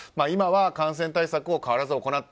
今は感染対策を変わらず行う。